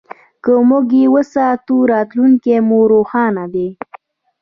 که موږ یې وساتو، راتلونکی مو روښانه دی.